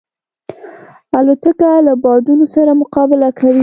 الوتکه له بادونو سره مقابله کوي.